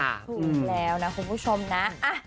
ถูกแล้วนะคุณผู้ชมนะ